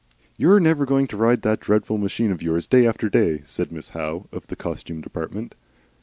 "You're never going to ride that dreadful machine of yours, day after day?" said Miss Howe of the Costume Department.